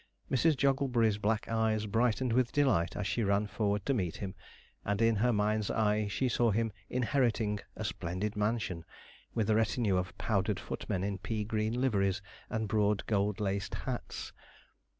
Mrs. Jogglebury's black eyes brightened with delight as she ran forward to meet him; and in her mind's eye she saw him inheriting a splendid mansion, with a retinue of powdered footmen in pea green liveries and broad gold laced hats.